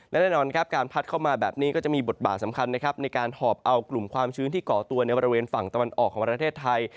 และแน่นอนครับการพัดเข้ามาแบบนี้ก็จะมีบทบาทสำคัญนะครับในการหอบเอากลุ่มความชื้นที่ก่อตัวในบริเวณฝั่งตะวันออกของประเทศไทย